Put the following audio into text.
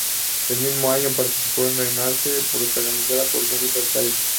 El mismo año participó en "Renaissance Girl", protagonizada por Jennifer Tilly.